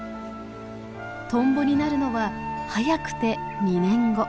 トンボになるのは早くて２年後。